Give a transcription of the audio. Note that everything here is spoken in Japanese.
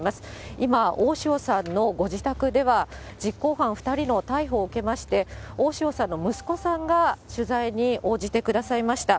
今、大塩さんのご自宅では、実行犯２人の逮捕を受けまして、大塩さんの息子さんが、取材に応じてくださいました。